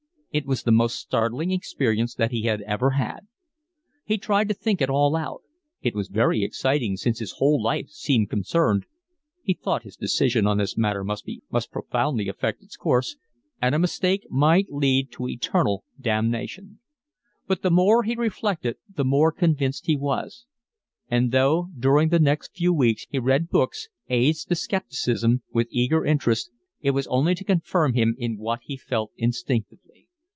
It was the most startling experience that he had ever had. He tried to think it all out; it was very exciting, since his whole life seemed concerned (he thought his decision on this matter must profoundly affect its course) and a mistake might lead to eternal damnation; but the more he reflected the more convinced he was; and though during the next few weeks he read books, aids to scepticism, with eager interest it was only to confirm him in what he felt instinctively.